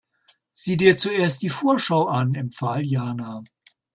Sieh dir zuerst die Vorschau an, empfahl Jana.